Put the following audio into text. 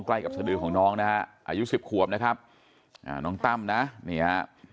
ใกล้กับสดือของน้องนะฮะอายุสิบขวบนะครับอ่าน้องตั้มนะนี่ฮะ